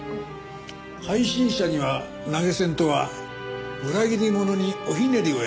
「“背信者”には投げ銭」とは裏切り者におひねりをやれという事か？